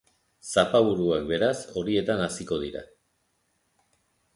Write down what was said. Zapaburuak, beraz, horietan haziko dira.